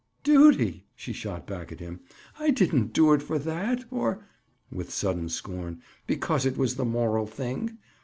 "Duty!" she shot back at him. "I didn't do it for that, or"—with sudden scorn—"because it was the moral thing.